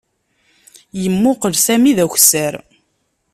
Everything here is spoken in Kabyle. Yemmuqqel Sami d akessar.